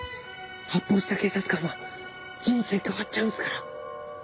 発砲した警察官は人生変わっちゃうんすから。